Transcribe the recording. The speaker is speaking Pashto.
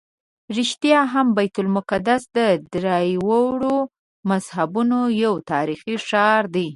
رښتیا هم بیت المقدس د درېواړو مذهبونو یو تاریخي ښار دی.